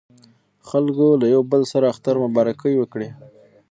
خلکو یو له بل سره د اختر مبارکۍ وکړې.